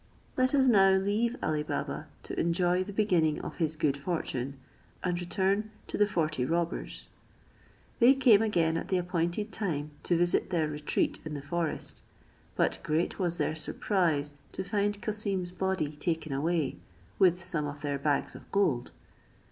Let us now leave Ali Baba to enjoy the beginning of his good fortune, and return to the forty robbers. They came again at the appointed time to visit their retreat in the forest; but great was their surprise to find Cassim's body taken away, with some of their bags of gold.